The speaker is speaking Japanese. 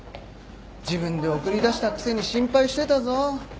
自分で送り出したくせに心配してたぞ。